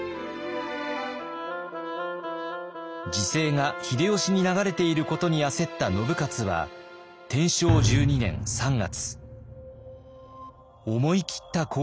時勢が秀吉に流れていることに焦った信雄は天正１２年３月思い切った行動に出ます。